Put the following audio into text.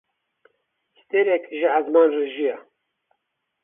Stêrek ji esman rijiya